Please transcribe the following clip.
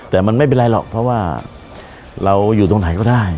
แต่มันไม่เป็นไรหรอกเพราะว่าเราอยู่ตรงไหนก็ได้